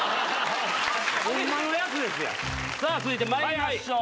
さぁ続いてまいりましょう！